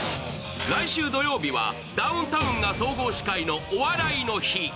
来週土曜日はダウンタウンが総合司会の「お笑いの日」。